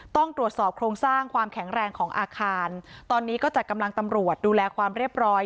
ต้องตรวจสอบโครงสร้างความแข็งแรงของอาคารตอนนี้ก็จัดกำลังตำรวจดูแลความเรียบร้อย